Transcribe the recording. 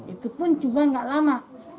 itu pun juga tidak lama